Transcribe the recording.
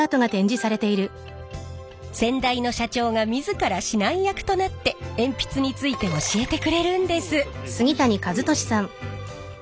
先代の社長が自ら指南役となって鉛筆について教えてくれるんです！